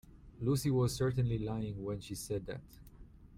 Lucy was certainly lying when she said that.